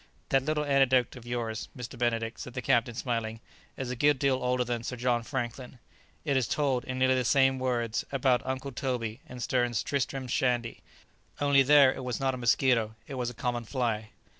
'" "That little anecdote of yours, Mr. Benedict," said the captain, smiling, "is a good deal older than Sir John Franklin. It is told, in nearly the same words, about Uncle Toby, in Sterne's 'Tristram Shandy'; only there it was not a mosquito, it was a common fly."